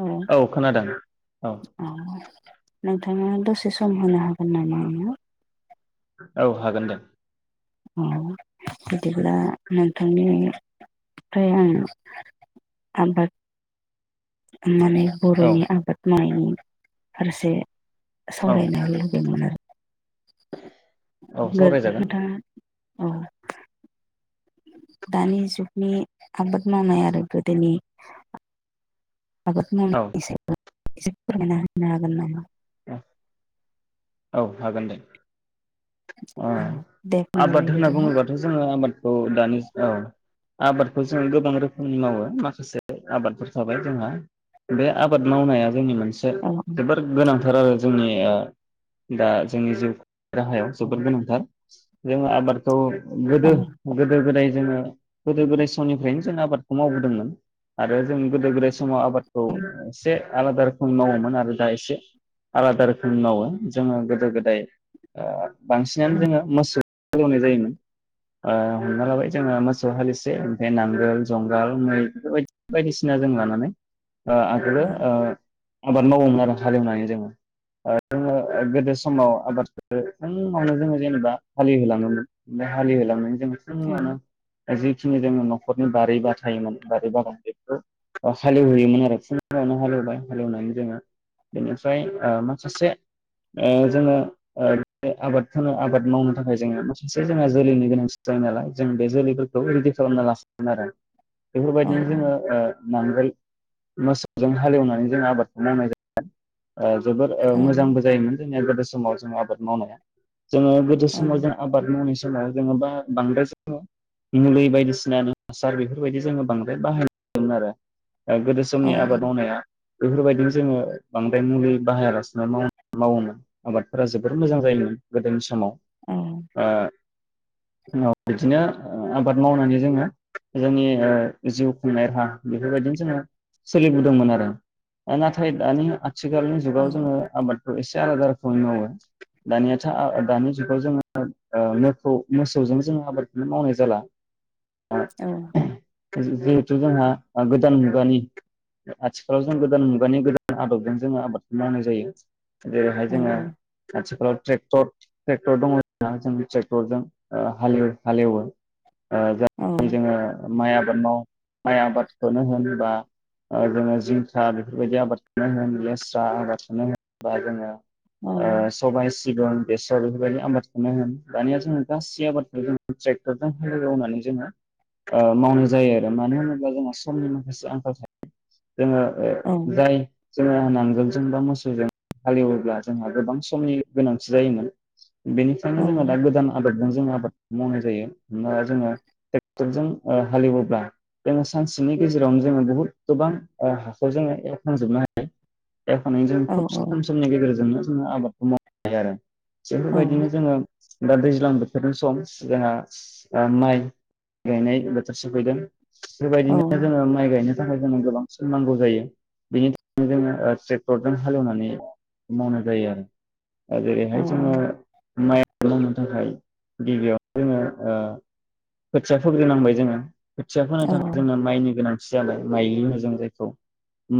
औ औ। नोंथाङा दसे सम होनो हागोन नामा आंनो? औ हागोन दे, अ बिदिब्ला नोंथांनिफ्राय आं आबाद माने औ बर'नि आबाद, माइनि आरोसे औ सावरायनो लुबैदोमोन औ गोर सावरायजागोन गोदा औ दानि जुगनि आबाद मावनाय आरो गोदोनि आबाद औ मावनायनि सायाव एसे फोरमायना होनो हागोन नामा? उम औ हागोन दे, ओ औ दे बुंनायलाय आबाद होनना बिदिब्ला बुङोबाथ' जोङो आबादखौ दानि औ, आबादखौ जोङो गोबां रोखोमनि मावो माखासे आबादफोर थाबाय जोंहा बे आबाद मावनाया जोंनि मोन से औ जोबोर गोनां, थार आरो जोंनि ओ दा जोंनि जिउ राहायाव जोबोद गोनांथार जोङो आबादखौ, औ गोदो गोदो गोदाय, जोङो गोदो गोदाय समनिफ्रायनो जों आबादखौ मावबोदोंमोन आरो जों गोदो गोदाय समाव आबादखौ एसे आलादा रोखोम मावोमोन आरो दा एसे आलादा रोखोमनि मावो, जोङो गोदो गोदाय ओ बांसिनानो जोङो मोसौ, हालेवनाय जायोमोन ओ हमना लाबाय जोङो मोसौ हालिसे ओमफाय नांगोल जंगाल मै बेफोर बायदिसिना जों लानानै ओ औ आगोलो ओ आबाद मावोमोन आरो हालेवनानै जोङो, ओ जोङो ओ गोदो समाव आबादखो फुंआवनो जोङो जेनेबा हालेव होलाङोमोन हालेव होलांनायनि जोङो फुंआवनो जिखिनि जोङो न'खरनि बारि बाथायोमोन बारि बागान बेखौ हालेवहैयोमोन आरो फुंआवनो हालेवबाय हालेवनानै जोङो बेनिफ्राय माखासे, ओ जोङो ओ बे आबादखो आबाद मावनो थाखाय जोङो माखासे जोंहा जोलैनि गोनांथि जायोनालाय जों बे जोलैफोरखौ रेडि खालामना लासिगोन आरो औ बेफोरबायदिनो जोङो ओ नांगोल, मोसौजों हालेवनानै जों आबादखौ मावनाय जायो, ओ जोबोर ओ औ मोजां बो जोंनिया गोदो समाव जों आबाद मावनाया, जोङो गोदो औ समाव औ जों आबाद मावनाय बैसमाव जोङो बा बांद्राय जोङो मुलि बायदिसिना हासार बेफोरबायदि जोङो बांद्राय बाहायोमोन आरो, गोदो समनि आबाद मावनाया, बेफोरबायदिनो जोङो बांद्राय मुलि बाहायालासिनो मावन मावोमोन आबादफोरा जोबोर मोजां जायोमोन गोदोनि समाव। ओ बिदिनो आबाद मावनानै जोङो जोंनि ओ जिउ खुंनाय राहा बेफोरबायदिनो जोङो सोलिबोदोंमोन आरो ओ नाथाय दानि आथिखालनि जुगाव जोङो आबाद एसे आलादा रोखोमै मावो दानियाथ दानि जुगाव जोङो मोखौ मोसौजों जोङो आबादखौनो मावनाय जाला। ओं जिहेथु जोंहा गोदान मुगानि आथिखालाव जों गोदान मुगानि गोदान आदबजों जोङो आबादखौ मावनाय जायो। जेरैहाय औ जोङो आथिखालाव ट्रेक्टर ट्रेक्टर दङ जोंहा जों ट्रेक्टरजों ओ हाले हालेवो। औ ओजाय औ जोङो। माइ आबाद माव माइ आबादखोनो होन बा ओ जोङो जिंखा बेफोरबायदि आबादखोनो होन लेस्रा आबादखोनो होन। बा जोङो औ ओ सबाय सि सिबन बेसर बेफोरबायदि आबादखौनो होनो दानिया जोङो गासै आबादखौ जों ट्रेक्टरजों हाले एवनानै जोङो ओ मावनाय जायो आरो मानो होनोब्ला जोंहा समनि माखासे आंखाल थायो। जोङो ओ औ जाय जोङो नांगोलजों बा मोसौजों हालेवोब्ला जोंहा गोबां समनि गोनांथि जायोमोन। औ बेनिखायनो जोङो दा गोदान आदब जों आबाद मावनाय जायो। हमना ला जोङो ट्रेक्टरजों हालिहेवोब्ला जोङो सानसेनि गेजेरावनो जोङो बुहुद गोबां हाखौ जोङो एवखांजोबनो हायो। एवखांनानै जों औ खुब समनि गेजेरजोंनो जोङो आबादखौ मावनो हायो आरो औ थिफोरबायदिनो जोङो दा दैज्लां बोथोरनि सम जोंहा ओ माइ गायनाय बोथोर सोफैदों। औ बेबायदिनो जोङो माइ गायनो थाखाय जोंनो गोबां सम नांगौ जायो बेनि थाखायनो जोङो ओ ट्रेक्टरजों हालेवनानै मावनाय जायो आरो औ जेरैहाय जोङो माइ मावनो थाखाय गिबियाव जोङो ओ खोथिया फुोग्रोनांबाय जोङो। खोथिया फोनो थाखाय जोंनो माइनि गोनां जाबाय माइलि मोजां जायखौ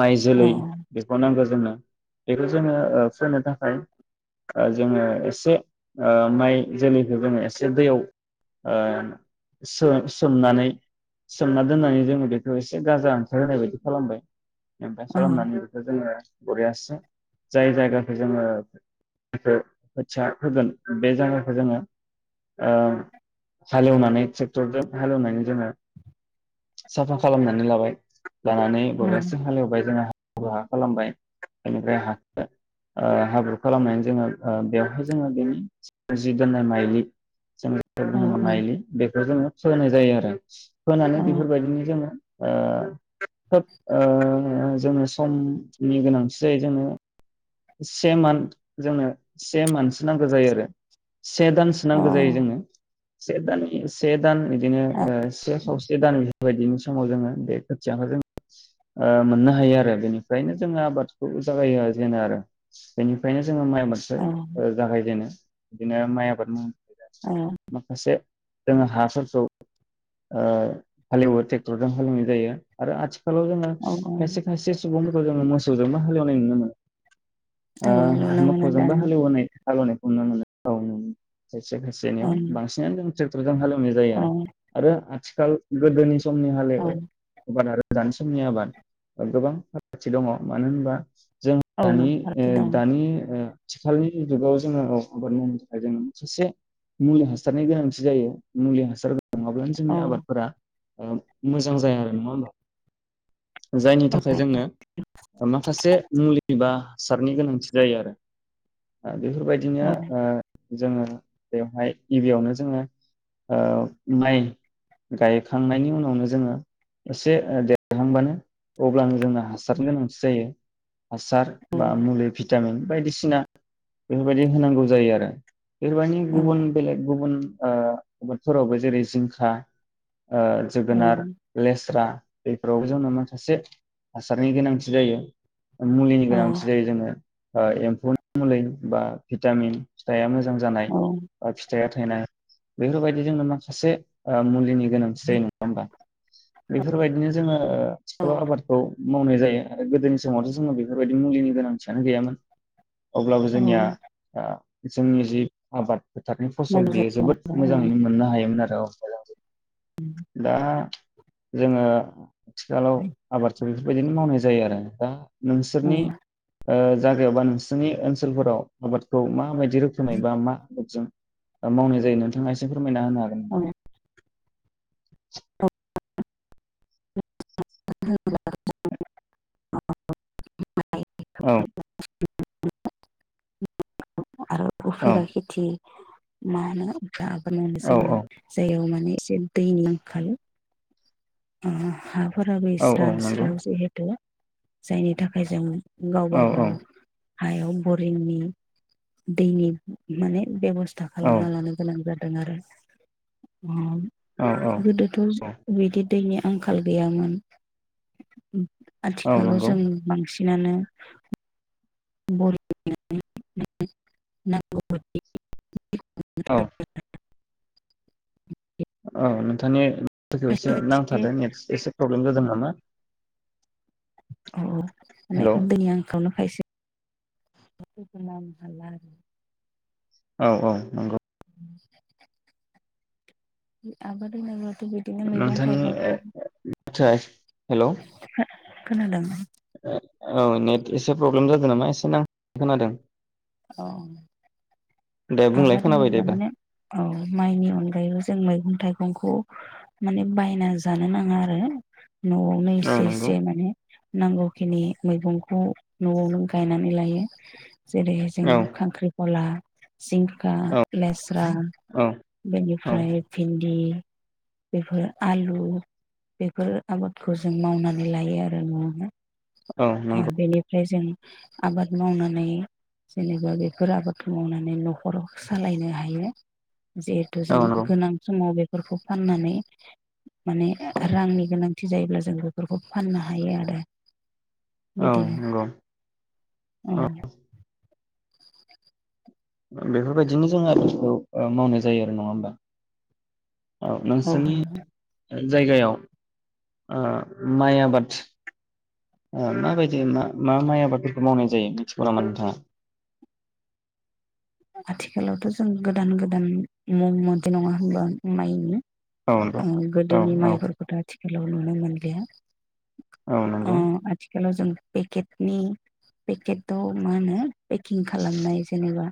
माइ जोलै बेखौ नांगौ जोंनो। बेखौ जोङो ओ फोनो थाखाय ओ जोङो एसे ओ माइ जोलैखौ जोङो एसे दैयाव ओ सो-सोमनानै सोमना दोननानै जोङो बेखौ एसे गाजा ओंखारहोनाय बायदि खालामबाय ओमफ्राय औ खालामनानै बेखौ जोङो बरियासे जाय जायगाखौ जोङो ओ खोथिया फोगोन बे जायगाखौ जोङो ओ हालेवनानै ट्रेक्टरजों हालेवनानै जोङो साफा खालामनानै लांबाय। लानानै [unintelligible] हालौवबाय जोंहा [unintelligible] खालामबाय बेनिफ्राय हा ओ हाब्रु खालामनानै जोङो ओ बेवहाय जोङो बेनि जि दोननाय माइलि जों बेखौ बुङोनो माइलि बेखौ जोङो फोनाय जायो आरो फोनानै बेफोरबायदिनो जोङो ओ ओ जों समनि गोनांथि जायो जोंनो। से मान्थ जोंनो से मान्थसो नांगौ जायो आरो से दानसो नांगौ जायो जोनो। से दाननि एसे दान बिदिनो ओ से खावसे से दान बेफोरबायदिनि समाव जोङो बे खोथियाखौ जोंङो ओ मोननो हायो आरो बेनिफ्रायनो जोङो आबादखौ जागायो खरो जोङो आरो बेनिफ्रायनो जोङो माइ मोस्रो ओ जागायजेनो। बिदिनो माइ आबाद उम माखासे जोङो हासोरखौ ओ हालेवो ट्रेक्टरजों हालेवनाय जायो आरो आथिखा खालाव जोङो औ खायसे खायसे सुबुंफोरखौ जोङो मोसौजोंबो हालौनाय नुनो मोनो। ओ नुनो मोनो मोसौजोंबो दानो हालेवो होननाय हालौनायखौ नुनो मोनो औ नुनो मोनो। सायसे खेसेनियाव ओं बांसिनानो दोंङो। ट्रेक्टरजों हालौ- - जायो औ आरो आरो आथि ओ गोदोनि समनि हाल औ एवो आबाद आरो गोदान समनि आबाद ओ गोबां फारागथि दङ मानो होनबा औ दानि ओ फारागथि दं दानि ओ आथिखालनि जुगाव जोङो औ आबाद मावनो थाखाय जोङो खायसे मुलि हासारनि गोनांथि जायो मुलि हासार नङाब्लानो औ जोंनि आबादफोरा ओं मोजां जाया आरो नङा होमबा जायनि थाखाय जोंनो ओ माखासे मुलि एबा हासारनि गोनांथि जायो आरो ओ औ बेफोरबायदिनो ओ जोङो बेवहाय गिबियावनो जोङो ओ माइ गायखांनायनि उनावनो जोङो एसे देरहांबानो अब्लानो जोंनो हासारनि गोनांथि जायो। हासार औ बा मुुलि भिटामिन बायदिसिना बेफोरबायदि होनांगौ जायो आरो। बेफोरबायदि गुबुन बेलेग गुबुन ओ आबादफोरावबो जेरै जिंखा ओ औ जोगोनार, लेस्रा बैफोरावबो जोंनो माखासे हासारनि गोनांथि जायो। मुलिनि गोनांथि जायो जोंनो। ओ एम्फौनि मुलि बा भिटामिन फिथाइआ मो जां जानाय ओ फिथाइआ बायनाङो। बेफोरबायदि जोङो माखासे ओ मुलिनि गोनांथि जायो नङा होमबा बेफोरबायदिनो जोङो ओ आथिखालाव आबादखौ मावनाय जायो आरो गोदोनि स मावथ' जोङो बेफोरबायदि मुलिनि गोनांथियानो गैयामोन। अब्लाबो जोंनिया आ जोंनि जि आबाद फोथारनि फसल लोगोसे बेयो जोबोद मोजाङैनो मोननो हायोमोन आरो औ दा जोङो आथिखालाव आबादखौ बेफोरबायदिनो मावनाय जा जायो आरो दा नोंसोरनि औ ओ जायगायाव बा नोंसोरनि ओनसोलफोराव आबादखौ माबायदि बिदि रोखोमै बा मा आदबजों ओ मावनाय जायो नोंथाङा एसे फोरमाय ना होनो हागोन औ [inaudible] [unintelligible] औ आरो औ उफेरा खेथि मा होनो [unintelligible] औ जायगायाव माने एसे दैनि आंखाल [unintelligible] औ औ नंगौ फोराबैस्रानस्राव जिहेतु जायनि थाखाय जों गावबा औ औ गाव हायाव बरिंनि दैनि माने बेब'स [unintelligible] औ खालामना लानो गोनां जादों औ औ [unintelligible] गोदोथ' औ बिदि दैनि आंखाल गैयामोन औ आथिखालाव नंगौ जों बांसिन बिनानो [unintelligible] [unintelligible] औ [unintelligible] औ नोंथांनि [unintelligible] एसे खायसे खायसे नांथादो एसे प्रब्लेम जादों नामा? औ औ। हेलौ माने दैनि आंखाल न [unintelligible] औ औ नंगौ। [inaudible] आबाद [unintelligible] बे बादिनो नोंथांनि मैगं-थाइगंखौ माथोआ हेलौ खोनादों? [unintelligible] औ, नेट एसे प्रब्लेम जादों नामा एसे नांथानाय खोनादों। औ, दे बुंलाय आबाद खोनाबाय दे होनोब्ला एबार माने औ, माइनि अनगायैबो जों मैगं थाइगंखौ माने बायना जानो नाङा आरो नआवनो औ एसे नंगौ एसे माने नांगौखिनि मैगंखौ नआवनो गायनानै लायो। जेरै जों औ खांख्रिख'ला जिंखा औ लेस्रा औ बेनिफ्राय औ भिन्दि बेफोर आलु बेफोर आबादखौ जों मावनानै लायो आरो न'आवनो। औ नंगौ। फ्राय जों आबाद मावनानै जेनेबा बेफोर आबादखौ मावनानै नखराव सालायनो हायो। जिहेथु जों औ नंगौ गोनां समाव बे फोरखौ फाननानै माने रांनि गोनांथि जायोब्ला जों बेफोरखौ फाननो हायो आरो। औ बिदिनो नंगौ। औ। बेफोरबायदिनो जोङो आबादखौ मावनाय जायो आरो नङा होमबा औ नोंसोरनि जायगायाव ओ माइ आबाद माबायदि मा मा माइ आबादफोरखौ मावनाय जायो मिथिगौ नामा नोंथाङा आथिखालावथ जों गोदान गोदान मुं मोन्थियो नङा होनबा माइनि? औ नंगौ ओ औ गोदोनि औ माइफोरखौथ आथिखा लाव नुनो मोनलिया। औ अ नंगौ आथिखालाव जों पेकेटनि पेकेटाव मा होनो पेकिं खालामनाय जेनेबा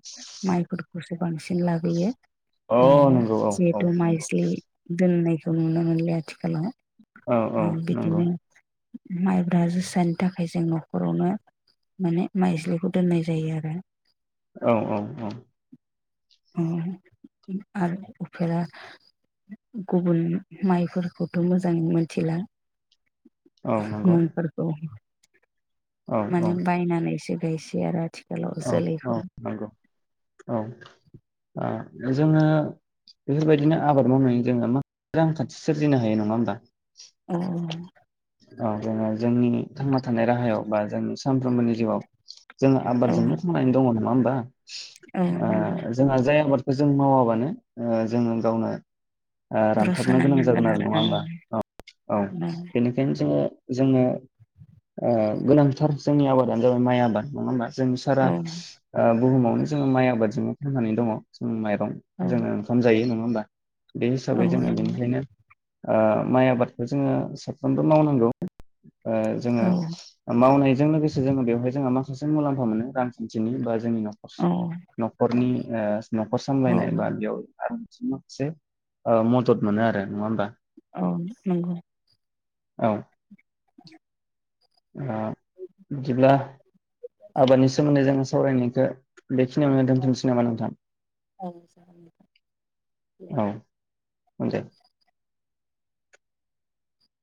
माइफोरखौसो बांसिन लाबोयो। अ ओ नंगौ औ औ जेहेथु माइ नंगौ जोलै दोननाय खौ नुनो मोनला आथिखालाव औ औ ओ नंगौ बिदिनो माइब्रा जोसानि थाखाय जों नखरावनो माने माइ जोलैखौ दोननाय जायो आरो। औ औ। औ। औ। आरो उफेरा गुबुन माइफोरखौथ मोजाङै मिनथिला औ नंगौ मुं फोरखौ। औ औ माने बायनानै सो बेसिय आरो आथिखालाव औ जोलैखौ नंगौ औ ओ जोङो बेफोरबायदिनो आबाद मावनायनि जोङो मा रांखान्थि सोरजिनो हायो नङा होमबा अ अ जोङो जोंनिनि थांना थानाय राहायाव बा जोंनि सानफ्रोमबोनि जिवाव जोङो औ बारजोंनो थांनानै दं अ नङाहोमबा? औ नंगौ ओ जोंहा जाय आबाद जों मावाबानो ओ जोङो गावनो ओ रसा रानथाबनो गोनां जागोन नांनांगोन आरो नङा औ होमबा औ औ बेनिखायनो जोङो जोंनो ओ गोनांथार जोंनि आबादानो जागोन माइ आबाद नङा होमबा? जों सारा ओ बुहुमावनो जोङो माइ आबादजोंनो थांननानै दङ जों माइ रं औ जोङो ओंखाम जायो नङा होमबा बे औ हिसाबै जोङो नंगौ बेनिखायनो ओ माइ आबादखौ जोङो साफ्रोमबो मावनांगौ ओ जोङो औ ओ मावनायजों लोगोसे जोङो बेवहाय जोंहा मा खासे मुलाम फा मोनो रांखान्थिनि बा जोंनि न'खरस औ न'खरनि ओस न'खर औ सामलायनाय बा बेयाव आरो माखासे ओ मदद मोनो आरो नङा होमबा? औ नोंगौ औ [inaudible] ओ बिदिब्ला आबादनि सोमोन्दै जोङो सावरायनायखो बेखिनियावनो दोनथ'नोसै नामा नोंथां? औ मोनदों